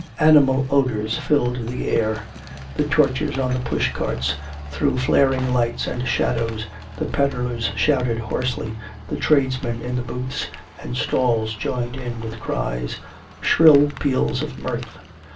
Animal odors filled the air. The torches on the pushcarts threw flaring lights and shadows, the peddlers shouted hoarsely, the tradesmen in the booths and stalls joined in with cries, shrill peals of mirth.